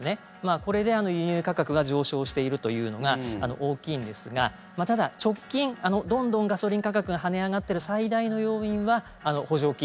これで輸入価格が上昇しているというのが大きいんですがただ、直近どんどんガソリン価格に跳ね返っているのは補助金